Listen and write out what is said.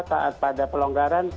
sempat pada pelonggaran